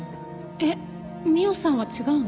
えっ美緒さんは違うの？